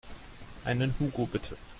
Einen Hugo bitte.